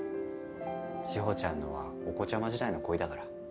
志保ちゃんのはお子ちゃま時代の恋だから。